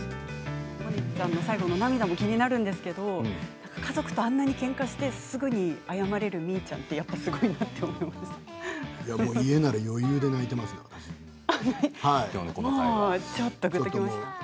モネちゃんの最後の涙も気になるんですけど家族はあんなにけんかしてすぐに謝れるみーちゃんってすごいなと思いました。